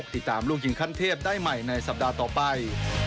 ติดตามลูกยิงขั้นเทพได้ใหม่ในสัปดาห์ต่อไป